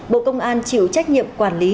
bộ công an chịu trách nhiệm quản lý